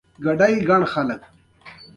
یوټوبر دې د خلکو غږ نه پلوري.